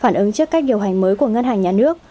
phản ứng trước cách điều hành mới của ngân hàng nhà nước